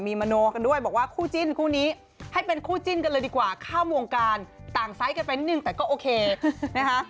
มีมโนกันด้วยบอกว่าคู่จิ้นคู่นี้ให้เป็นคู่จิ้นกันเลยดีกว่าเข้าวงการต่างไซส์กันไปนิดนึงแต่ก็โอเคนะคะ